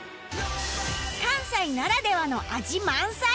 関西ならではの味満載！